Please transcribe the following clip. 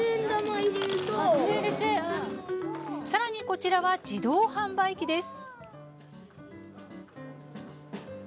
さらにこちらは自動販売機です。